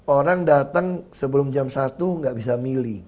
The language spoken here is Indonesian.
orang datang sebelum jam satu nggak bisa milih